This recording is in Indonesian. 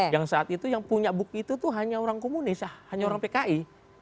yang saat itu yang punya buku itu hanya orang komunis hanya orang pki